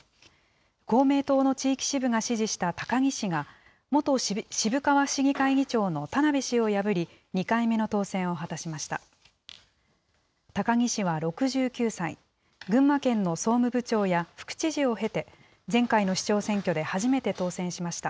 公明党の地域支部が支持した高木氏が、元渋川市議会議長の田辺氏を破り、２回目の当選を果たしました。